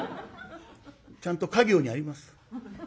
ちゃんとカ行にあります。